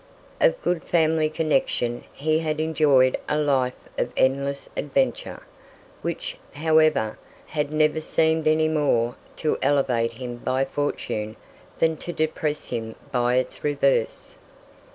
Of good family connection, he had enjoyed a life of endless adventure, which, however, had never seemed any more to elevate him by fortune than to depress him by its reverse.